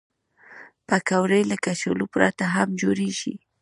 پکورې له کچالو پرته هم جوړېږي